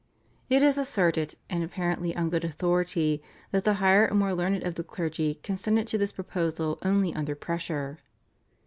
It is asserted, and apparently on good authority, that the higher and more learned of the clergy consented to this proposal only under pressure.